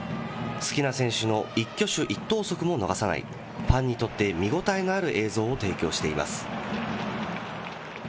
好きな選手の一挙手一投足も逃さない、ファンにとって見応えのある映像を提供しています。